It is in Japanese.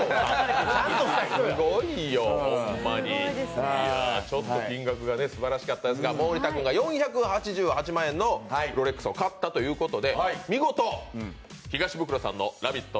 すごいよ、ほんまに、ちょっと金額がすばらしかったんですが、森田君が４８８万円のロレックスを買ったということで見事、東ブクロさんの「ラヴィット！」